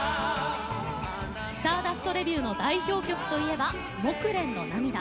スターダストレビューの代表曲といえば「木蘭の涙」。